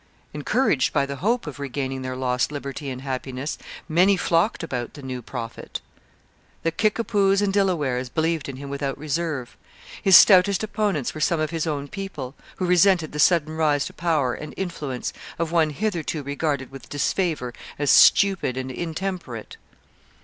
Encouraged by the hope of regaining their lost liberty and happiness, many flocked about the new prophet. The Kickapoos and Delawares believed in him without reserve. His stoutest opponents were some of his own people, who resented the sudden rise to power and influence of one hitherto regarded with disfavour as stupid and intemperate.